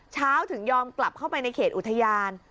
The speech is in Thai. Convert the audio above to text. เช้าถึงยอมกลับเข้าไปในเขตอุทยาน